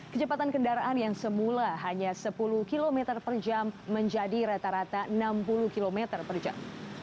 kecepatan kendaraan yang semula hanya sepuluh km per jam menjadi rata rata enam puluh km per jam